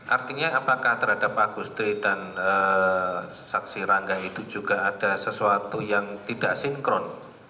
artinya apakah terhadap agustri dan saksi rangga itu juga ada sesuatu yang tidak sinkron